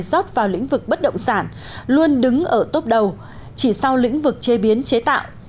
rót vào lĩnh vực bất động sản luôn đứng ở tốp đầu chỉ sau lĩnh vực chế biến chế tạo